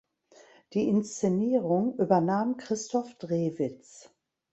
Die Inszenierung übernahm Christoph Drewitz.